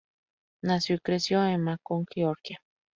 Nació y creció en Macon, Georgia.